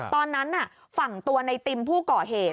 ตอนนั้นฝั่งตัวในติมผู้ก่อเหตุ